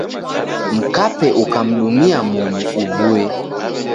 Mkape ukamdumia momu uw'uye.